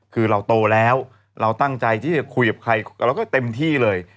คือเราโตแล้วเราตั้งใจที่จะคุยกับใครเราก็เต็มที่เลย